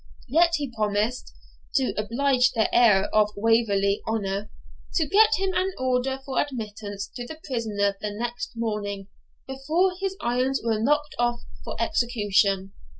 Yet he promised (to oblige the heir of Waverley Honour) to get him an order for admittance to the prisoner the next morning, before his irons were knocked off for execution.